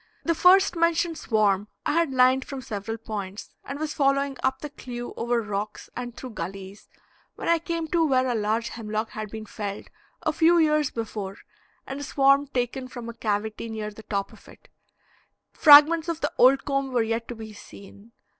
The first mentioned swarm I had lined from several points, and was following up the clew over rocks and through gulleys, when I came to where a large hemlock had been felled a few years before and a swarm taken from a cavity near the top of it; fragments of the old comb were yet to be seen.